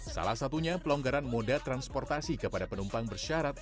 salah satunya pelonggaran moda transportasi kepada penumpang bersyarat